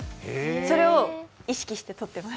それを意識して撮っています。